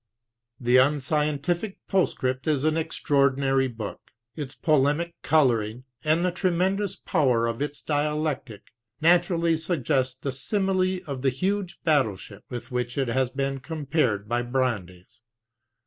The Unscientific Postscript is an extraordinary book. Its polemic coloring, and the tremendous power of its dialectic, naturally suggest the simile of the huge battleship, with which it has been compared by Brandes.